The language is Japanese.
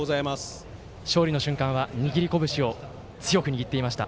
勝利の瞬間は握り拳を強く握っていました。